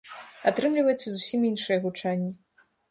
Атрымліваецца зусім іншае гучанне.